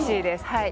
はい